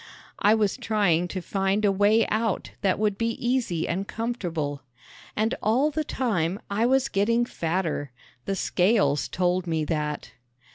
I was trying to find a way out that would be easy and comfortable. And all the time I was getting fatter! The scales told me that.